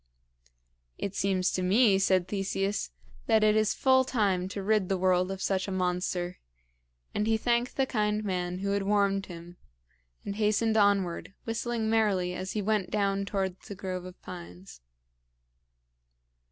"It seems to me," said Theseus, "that it is full time to rid the world of such a monster;" and he thanked the kind man who had warned him, and hastened onward, whistling merrily as he went down towards the grove of pines.